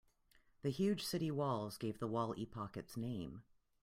The huge city walls gave the wall epoch its name.